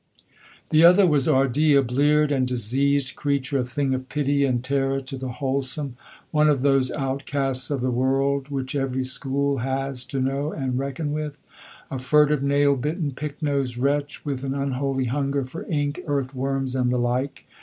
The other was R d, a bleared and diseased creature, a thing of pity and terror to the wholesome, one of those outcasts of the world which every school has to know and reckon with. A furtive, nail bitten, pick nose wretch with an unholy hunger for ink, earth worms and the like.